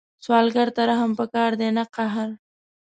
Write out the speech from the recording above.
سوالګر ته رحم پکار دی، نه قهر